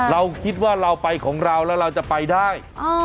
เราคิดว่าเราไปของเราแล้วเราจะไปได้